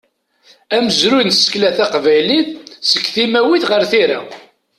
Amezruy n tsekla taqbaylit seg timawit ɣer tira.